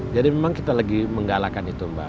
jadi memang kita lagi menggalakkan itu mbak